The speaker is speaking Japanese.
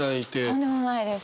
とんでもないです。